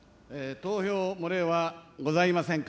投票漏れはございませんか。